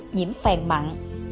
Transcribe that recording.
nhiễm phèn mặn